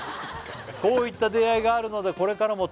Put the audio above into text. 「こういった出会いがあるのでこれからも妻と」